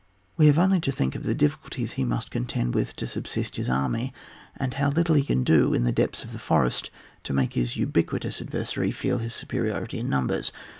We have only to think of the difficulties he must con tend with to subsist his army, and how little he can do in the depths of the forest to make his ubiquitous adver sary feel his superiority in numbers.